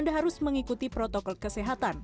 anda harus mengikuti protokol kesehatan